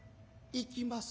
行きます。